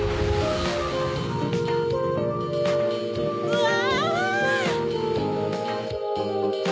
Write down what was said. うわ！